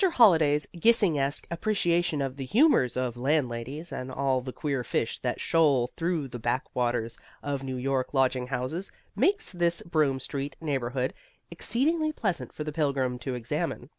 Holliday's Gissingesque appreciation of the humours of landladies and all the queer fish that shoal through the backwaters of New York lodging houses makes this Broome Street neighbourhood exceedingly pleasant for the pilgrim to examine.